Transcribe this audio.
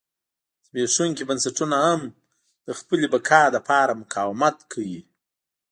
زبېښونکي بنسټونه هم د خپلې بقا لپاره مقاومت کوي.